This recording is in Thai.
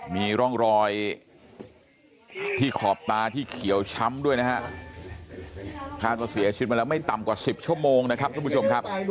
มีร่องรอยที่ขอบตาที่เขียวช้ำด้วยนะฮะคาดว่าเสียชีวิตมาแล้วไม่ต่ำกว่า๑๐ชั่วโมงนะครับทุกผู้ชมครับ